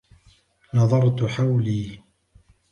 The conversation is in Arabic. نظرت حولي.